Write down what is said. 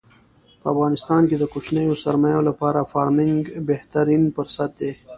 په افغانستان کې د کوچنیو سرمایو لپاره فارمنګ بهترین پرست دی.